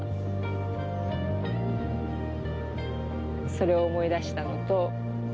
それを思い出したのと。